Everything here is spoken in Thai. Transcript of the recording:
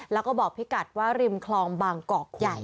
แล้วก็บอกพี่กัดว่าริมคลองบางกอกใหญ่